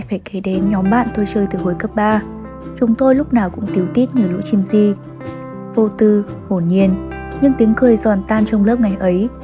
vô tư hồn nhiên những tiếng cười giòn tan trong lớp ngày ấy